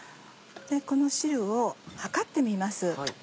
この汁を量ってみます。